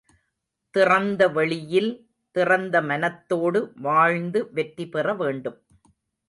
திறந்த வெளியில் திறந்த மனத்தோடு வாழ்ந்து வெற்றிபெற வேண்டும்.